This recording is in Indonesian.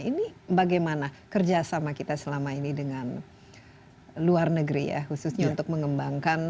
ini bagaimana kerjasama kita selama ini dengan luar negeri ya khususnya untuk mengembangkan